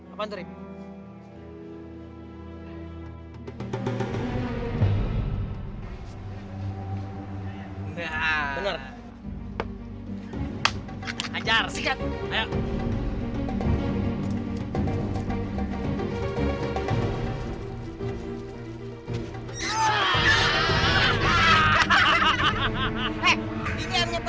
apaan tuh rip